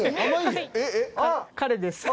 彼です。